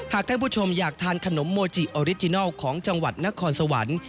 ท่านผู้ชมอยากทานขนมโมจิออริจินัลของจังหวัดนครสวรรค์